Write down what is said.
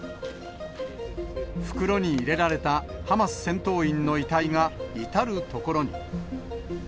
袋に入れられたハマス戦闘員の遺体が至る所に。